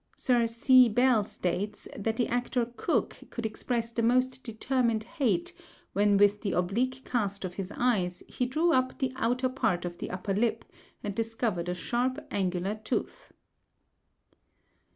Sir C. Bell states that the actor Cooke could express the most determined hate "when with the oblique cast of his eyes he drew up the outer part of the upper lip, and discovered a sharp angular tooth."